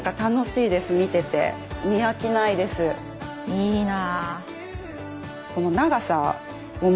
いいな。